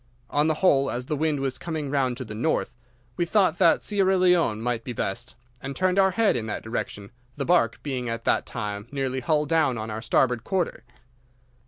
On the whole, as the wind was coming round to the north, we thought that Sierra Leone might be best, and turned our head in that direction, the barque being at that time nearly hull down on our starboard quarter.